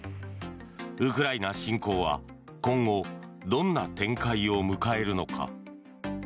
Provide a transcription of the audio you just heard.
ウクライナ侵攻は今後、どんな展開を迎えるのか。